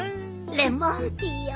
レモンティーよ。